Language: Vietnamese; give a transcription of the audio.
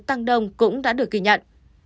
tăng đông cũng đã được ghi nhận